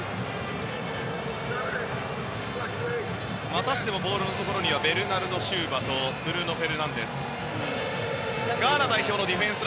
またしてもボールのところにはベルナルド・シウバとブルーノ・フェルナンデス。